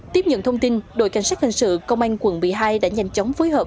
tiếp nhận thông tin đội cảnh sát hình sự công an quận một mươi hai đã nhanh chóng phối hợp